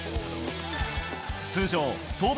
通常、登板